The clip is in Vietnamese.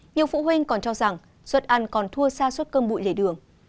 nhiều phụ huynh còn cho rằng suất ăn còn thua xa suất cơm bụi lề đường